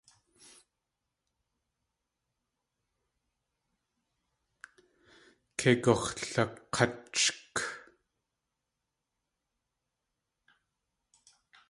Kei gux̲lak̲áchk.